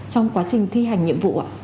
trong quá trình thi hành nhiệm vụ